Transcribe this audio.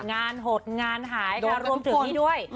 งานหดงานหายรวมถึงนี่ด้วย